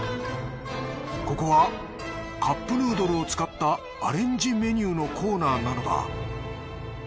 ここはカップヌードルを使ったアレンジメニューのコーナーなのだ。